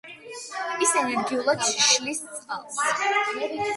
ის ენერგიულად შლის წყალს.